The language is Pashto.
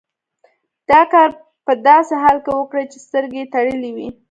دا کار په داسې حال کې وکړئ چې سترګې یې تړلې وي.